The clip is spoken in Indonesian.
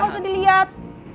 gak usah diliat